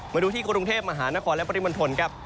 มาดูที่กรุงเทพมหานครและปริมณฑลครับ